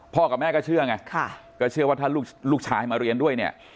กับแม่ก็เชื่อไงก็เชื่อว่าถ้าลูกชายมาเรียนด้วยเนี่ย